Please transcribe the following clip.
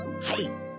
はい！